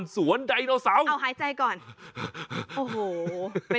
สุดยอดน้ำมันเครื่องจากญี่ปุ่น